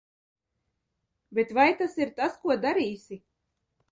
Bet vai tas ir tas, ko darīsi?